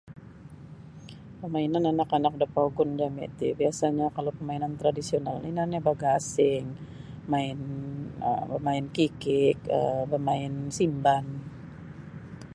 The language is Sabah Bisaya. Pamainan anak-anak da pogun jami' ti biasanyo kalau pamainan tradisional ino nio bagasing main um bamain kikik um bamain simban.